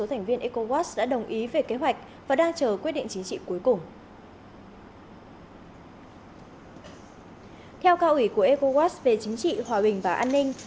theo cao ủy của ecowas về chính trị hòa bình và an ninh